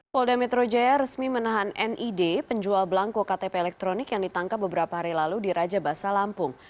polda metro jaya resmi menahan nid penjual belangko ktp elektronik yang ditangkap beberapa hari lalu di raja basa lampung